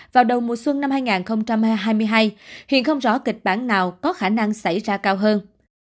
vào đầu mùa xuân năm hai nghìn hai mươi hai hiện không rõ kịch bản nào có khả năng xảy ra cao hơn